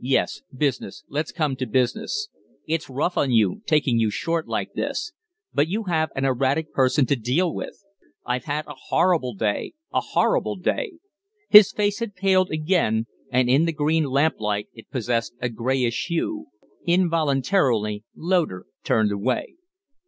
"Yes, business. Let's come to business. It's rough on you, taking you short like this. But you have an erratic person to deal with. I've had a horrible day a horrible day." His face had paled again, and in the green lamplight it possessed a grayish hue. Involuntarily Loder turned away.